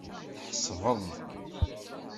Tḥesbeḍ.